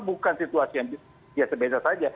bukan situasi yang biasa biasa saja